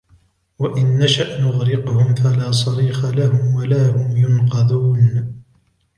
وَإِنْ نَشَأْ نُغْرِقْهُمْ فَلَا صَرِيخَ لَهُمْ وَلَا هُمْ يُنْقَذُونَ